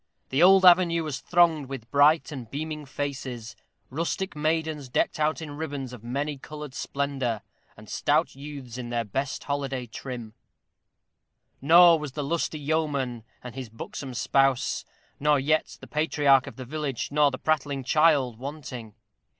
The old avenue was thronged with bright and beaming faces, rustic maidens decked out in ribbons of many colored splendor, and stout youths in their best holiday trim; nor was the lusty yeoman and his buxom spouse nor yet the patriarch of the village, nor prattling child, wanting.